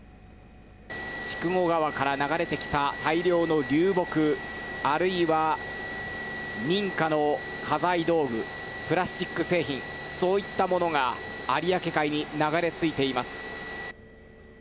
筑後川から流れてきた大量の流木あるいは民家の家財道具プラスチック製品そういったものが有明海に流れ着いています。